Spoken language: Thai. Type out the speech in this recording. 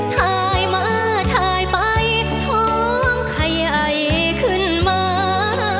ถ่ายมาถ่ายไปท้องขยายขึ้นมา